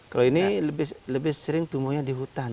kalau ini lebih sering tumbuhnya di hutan